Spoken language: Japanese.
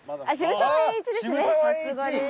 さすがです。